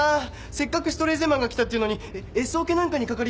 せっかくシュトレーゼマンが来たっていうのにＳオケなんかにかかりっきりでさぁ。